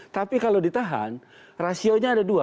tapi kalau ditahan rasionya ada dua